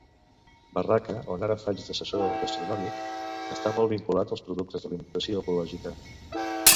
Barraca, on ara faig d'assessor gastronòmic, està molt vinculat als productes d'alimentació ecològica.